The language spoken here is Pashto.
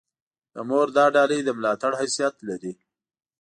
د مور دا ډالۍ د ملاتړ حیثیت لري.